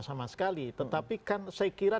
sama sekali tetapi kan saya kira